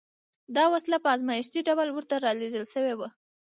دا وسيله په ازمايښتي ډول ورته را لېږل شوې وه.